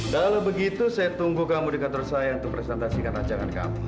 kalau begitu saya tunggu kamu di kantor saya untuk presentasikan ajakan kamu